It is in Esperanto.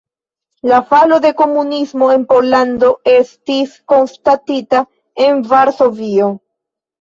La falo de komunismo en Pollando estis konstatita en Varsovio.